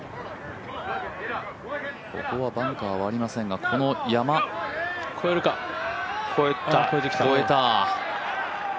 ここはバンカーはありませんが、この山、越えてきた。